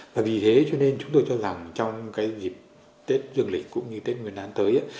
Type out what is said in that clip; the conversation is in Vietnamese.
vì thế cho nên chúng tôi cho rằng trong dịp tết dương lịch cũng như tết nguyên đán tới